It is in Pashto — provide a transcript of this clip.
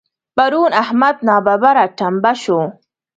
پرون احمد ناببره ټمبه شو.